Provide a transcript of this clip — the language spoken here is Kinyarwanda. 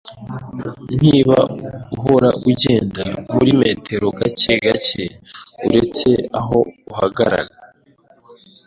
Niba uhora ugenda muri metero, gake gake uretse aho uhagarara.